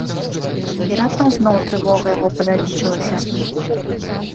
І раптам зноў трывога яго павялічылася.